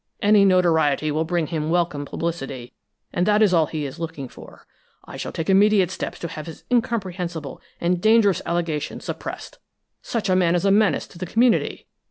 Any notoriety will bring him welcome publicity, and that is all he is looking for. I shall take immediate steps to have his incomprehensible and dangerous allegation suppressed. Such a man is a menace to the community!